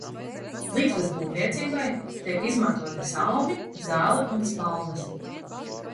Ligzdas būvniecībai tiek izmantoti salmi, zāle un spalvas.